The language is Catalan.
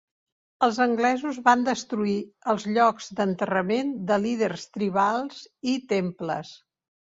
Els anglesos van destruir els llocs d'enterrament de líders tribals i temples.